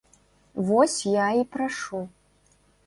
Вось я і прашу.